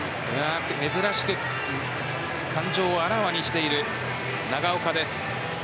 珍しく感情をあらわにしている長岡です。